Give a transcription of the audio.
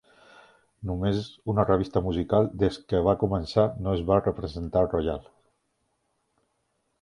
Només una revista musical des que va començar no es va representar al Royal.